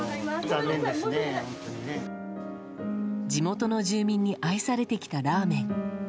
地元の住民に愛されてきたラーメン。